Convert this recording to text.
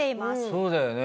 そうだよね。